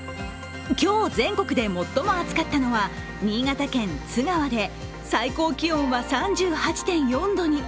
今日全国で最も暑かったのは新潟県・津川で最高気温は３８．４度に。